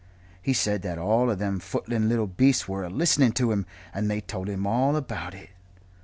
He said that all them footling little beasts were a listening to 'em, and they told him all about it.